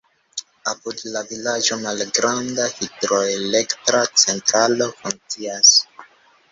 Apud la vilaĝo malgranda hidroelektra centralo funkcias.